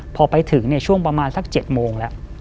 พอไปถึงช่วงประมาณสัก๗โมงแล้ว